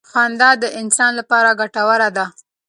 خندا د انسان لپاره ګټوره ده.